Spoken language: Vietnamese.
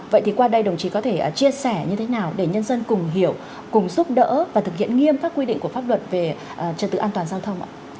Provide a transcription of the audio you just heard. vậy thì qua đây đồng chí có thể chia sẻ như thế nào để nhân dân cùng hiểu cùng giúp đỡ và thực hiện nghiêm các quy định của pháp luật về trật tự an toàn giao thông ạ